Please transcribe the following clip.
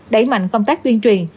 đẩy mạnh công tác tuyên truyền